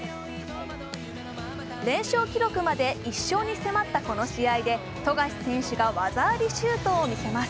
連勝記録まで１勝に迫ったこの試合で富樫選手が技ありシュートを見せます。